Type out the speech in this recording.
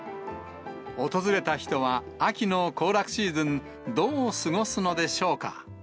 訪れた人は秋の行楽シーズン、どう過ごすのでしょうか。